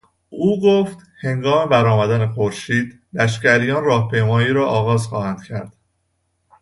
او گفت که هنگام برآمدن خورشید لشگریان راه پیمایی را آغاز خواهند کرد.